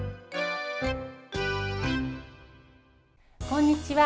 こんにちは。